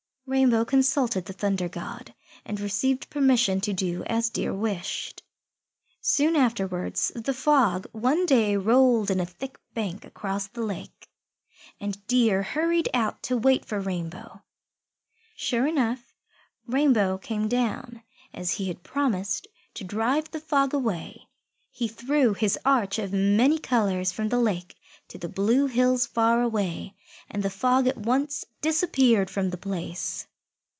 Rainbow consulted the Thunder God, and received permission to do as Deer wished. Soon afterwards the Fog one day rolled in a thick bank across the lake, and Deer hurried out to wait for Rainbow. Sure enough, Rainbow came down, as he had promised, to drive the Fog away. He threw his arch of many colours from the lake to the blue hills far away, and the Fog at once disappeared from the place.